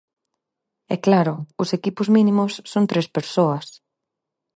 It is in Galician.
E claro, os equipos mínimos son tres persoas.